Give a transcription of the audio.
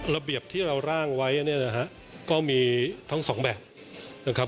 ระเบียบที่เราร่างไว้เนี่ยนะฮะก็มีทั้งสองแบบนะครับ